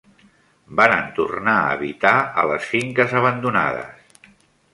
Varen tornar a habitar a les finques abandonades.